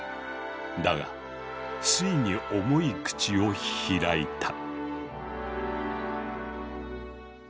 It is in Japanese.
だがついに重い口を開いた。